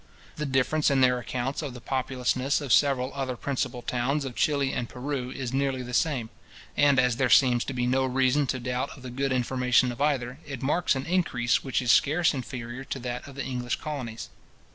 The difference in their accounts of the populousness of several other principal towns of Chili and Peru is nearly the same; and as there seems to be no reason to doubt of the good information of either, it marks an increase which is scarce inferior to that of the English colonies.